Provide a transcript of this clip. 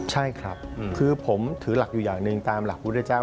ใช่ครับคือผมถือหลักอยู่อย่างหนึ่งตามหลักพุทธเจ้า